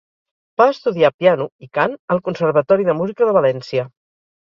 Va estudiar, piano i cant al Conservatori de Música de València.